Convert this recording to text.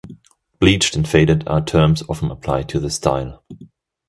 Bleached and faded are terms often applied to the style.